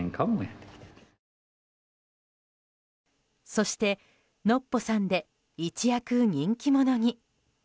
そして、ノッポさんで一躍人気者に。